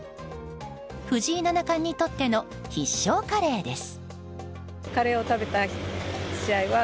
藤井七冠にとっての必勝カレーです。